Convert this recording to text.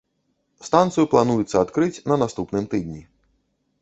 Станцыю плануецца адкрыць на наступным тыдні.